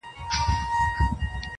هغه ساعت، هغه مصلحت.